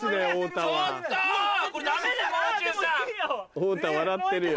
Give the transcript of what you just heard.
太田笑ってるよ。